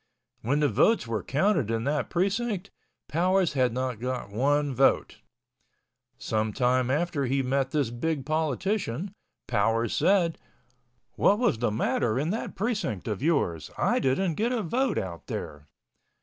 When the votes were counted in that precinct, Powers had not got one vote. Some time after he met this big politician. Powers said, "What was the matter in that precinct of yours? I didn't get a vote out there."